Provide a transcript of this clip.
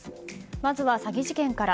まずは詐欺事件から。